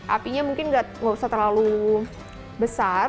apinya mungkin nggak usah terlalu besar